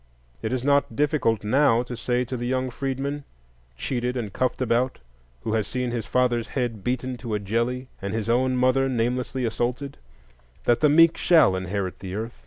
It is not difficult now to say to the young freedman, cheated and cuffed about who has seen his father's head beaten to a jelly and his own mother namelessly assaulted, that the meek shall inherit the earth.